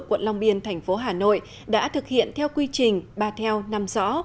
quận long biên thành phố hà nội đã thực hiện theo quy trình ba theo năm rõ